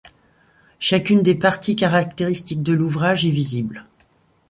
Chacune des parties caractéristiques de l'ouvrage est visible.